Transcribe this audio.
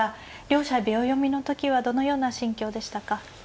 両者秒読みの時はどのような心境でしたか。